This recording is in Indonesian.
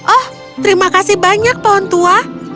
oh terima kasih banyak pohon tua